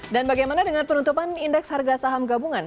dan bagaimana dengan penutupan indeks harga saham gabungan